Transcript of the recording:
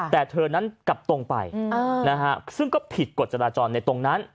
แต่เธอนั้นกลับตรงไปซึ่งก็ผิดกฎจราจรในตรงนั้น